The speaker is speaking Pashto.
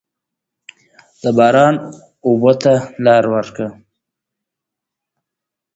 د باران اوبو ته لاره ورکړئ.